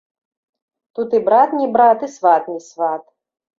Тут і брат не брат і сват не сват.